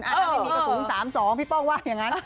ป้องนี้พอหยิบได้๓๒๐ที่ทีมีกระดูก๓๒พี่ปร่งว่าอย่างนั้น